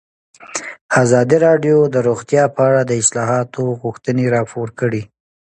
ازادي راډیو د روغتیا په اړه د اصلاحاتو غوښتنې راپور کړې.